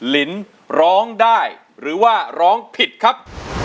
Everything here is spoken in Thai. ลินร้องได้หรือว่าร้องผิดครับ